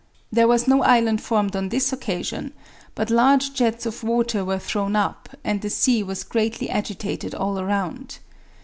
There was no island formed on this occasion, but large jets of water were thrown up, and the sea was greatly agitated all around.